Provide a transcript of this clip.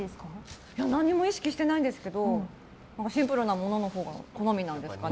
何も意識してないんですけどシンプルなもののほうが好みなんですかね。